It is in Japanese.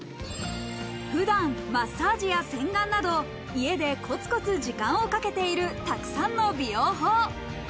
普段、マッサージや洗顔など、家でコツコツ時間をかけているたくさんの美容法。